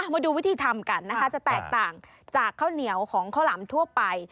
มาดูวิธีทำกันนะคะจะแตกต่างจากข้าวเหนียวของข้าวหลามทั่วไป